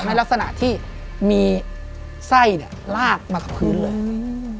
ในลักษณะที่มีไส้ลากมากับพื้นเลย